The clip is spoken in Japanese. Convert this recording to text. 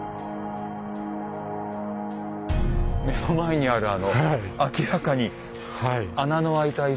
目の前にあるあの明らかに穴の開いた石。